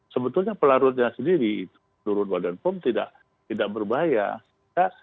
sebetulnya pelarutnya sendiri turun badan pom tidak berbahaya